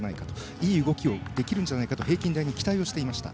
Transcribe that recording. いい動きができるんじゃないかと平均台に期待していました。